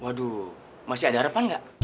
waduh masih ada harapan nggak